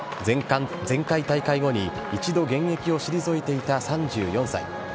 前回大会後に一度、現役を退いていた３４歳。